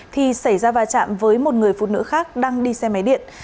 thì xảy ra va chạm với một người phụ nữ khác đang đi xe máy điện